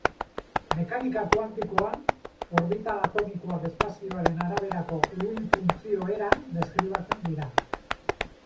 Mekanika kuantikoan orbital atomikoak espazioaren araberako uhin-funtzio eran deskribatzen dira.